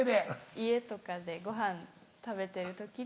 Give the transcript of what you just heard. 家とかでごはん食べてる時に。